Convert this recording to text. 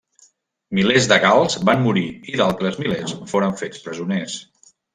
Milers de gals van morir i d'altres milers foren fets presoners.